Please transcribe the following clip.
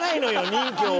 任侠は。